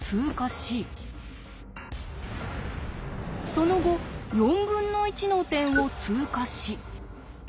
その後４分の１の点を通過し。